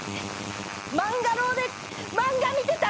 漫画ロウで漫画見てたのよ！